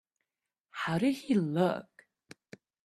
How did he look?